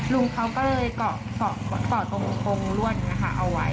ลุงเขาก็เลยเกาะตรงกงรวดเอาไว้